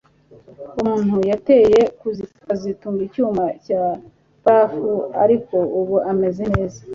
Umuntu yateye kazitunga icyuma cya barafu ariko ubu ameze neza